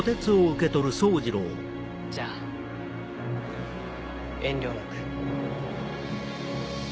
じゃあ遠慮なく。